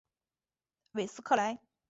韦斯克莱。